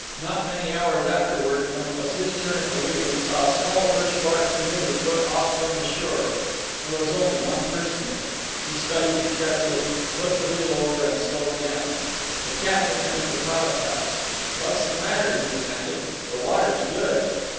Not many hours afterward, when it was his turn at the wheel, he saw a small birch bark canoe put off from the shore. There was only one person in it. He studied it carefully, put the wheel over, and slowed down. The captain entered the pilot house. "What's the matter?" he demanded. "The water's good."